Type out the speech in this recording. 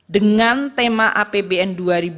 dengan tema apbn dua ribu dua puluh